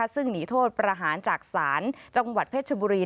ซึ่งหนีโทษประหารจากศาลจังหวัดเพชรบุรี